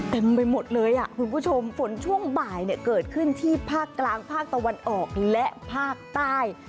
เต็มไปหมดเลยคุณผู้ชมฝนช่วงบ่ายเกิดขึ้นที่ภาคกลางภาคตะวันออกและภาคใต้